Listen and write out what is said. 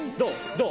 どう？